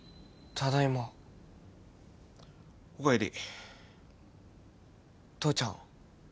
ただいまお帰り父ちゃん